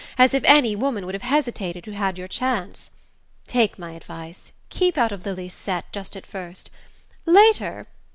As if any woman would have hesitated who'd had your chance! Take my advice keep out of Lili's set just at first. Later